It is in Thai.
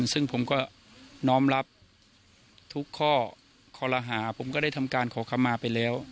ซึ่งผมก็น้อมรับทุกข้อคอรหาผมก็ได้ทำการขอคำมาไปแล้ว